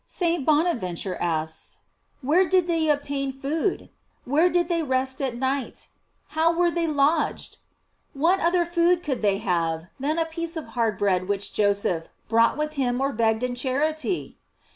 St. Bona venture asks, Where did they obtain food? Where did they rest at night? How were they lodged ?J What other food could they have, than a piece of hard bread which Joseph brought with him or begged in charity?